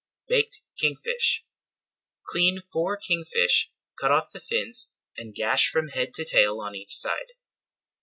BAKED KING FISH Clean four kingfish, cut off the fins and gash from head to tail on each side.